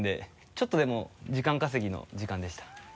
ちょっとでも時間稼ぎの時間でした。